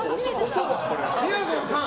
みやぞんさん。